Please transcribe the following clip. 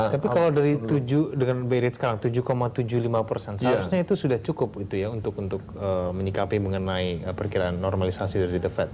tapi kalau dari tujuh dengan berid sekarang tujuh tujuh puluh lima persen seharusnya itu sudah cukup gitu ya untuk menyikapi mengenai perkiraan normalisasi dari the fed